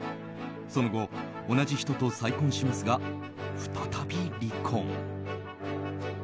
その後、同じ人と再婚しますが再び離婚。